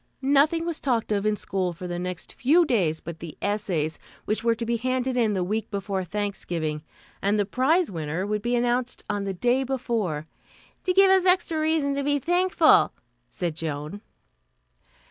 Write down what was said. Nothing was talked of in school for the next few days but the essays, which were to be handed in the week before Thanksgiving, and the prize winner would be announced on the day before "to give us extra reason to be thankful," said Joan.